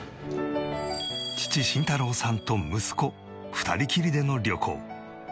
父慎太郎さんと息子２人きりでの旅行。